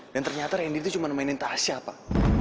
dan ternyata randy itu cuma mainin tasya pak